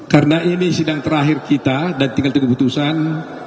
karena ini sidang terakhir kita dan tinggal tiga keputusan